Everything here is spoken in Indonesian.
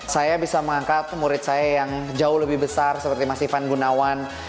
saya bisa mengangkat murid saya yang jauh lebih besar seperti mas ivan gunawan